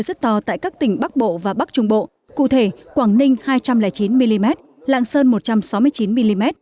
rất to tại các tỉnh bắc bộ và bắc trung bộ cụ thể quảng ninh hai trăm linh chín mm lạng sơn một trăm sáu mươi chín mm